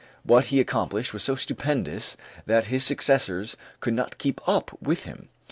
What he accomplished was so stupendous that his successors could not keep up with him.